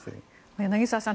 柳澤さん